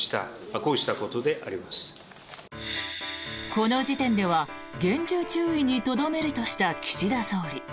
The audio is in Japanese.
この時点では厳重注意にとどめるとした岸田総理。